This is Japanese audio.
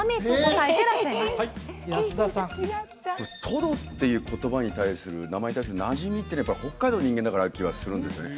トドっていう言葉に対する名前なじみっていうのはやっぱ北海道の人間だから気はするんですよね